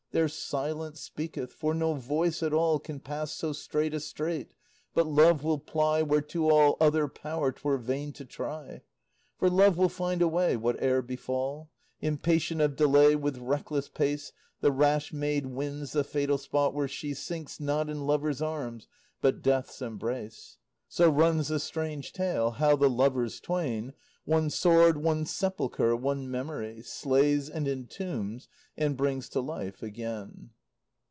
There silence speaketh, for no voice at all Can pass so strait a strait; but love will ply Where to all other power 'twere vain to try; For love will find a way whate'er befall. Impatient of delay, with reckless pace The rash maid wins the fatal spot where she Sinks not in lover's arms but death's embrace. So runs the strange tale, how the lovers twain One sword, one sepulchre, one memory, Slays, and entombs, and brings to life again.